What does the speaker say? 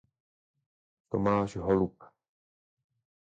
Tomáš Holub.